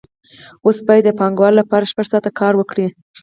اوس باید د پانګوال لپاره شپږ ساعته کار وکړي